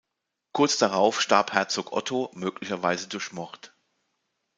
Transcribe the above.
Kurz darauf starb Herzog Otto, möglicherweise durch Mord.